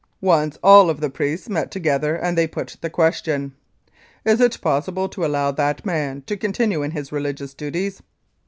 Once all of the priests met together, and they put the question : "Is it possible to allow that man to continue in his religious duties